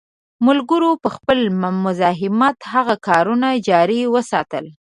ملګرو په خپل مزاحمت هغه کارونه جاري وساتل.